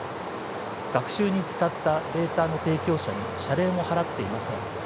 学習に使ったデータの提供者に謝礼も払っていません。